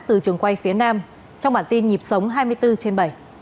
từ trường quay phía nam trong bản tin nhịp sống hai mươi bốn trên bảy